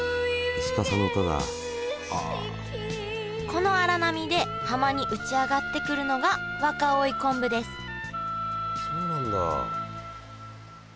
この荒波で浜に打ち上がってくるのが若生昆布ですそうなんだ。